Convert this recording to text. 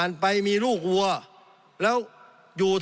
สงบจนจะตายหมดแล้วครับ